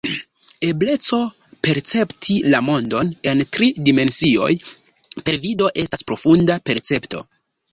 Ebleco percepti la mondon en tri dimensioj per vido estas profunda percepto.